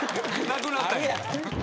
なくなったんや。